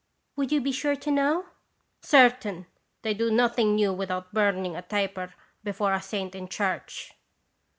"Would you be sure to know ?"" Certain; they do nothing new without burning a taper before a saint in church."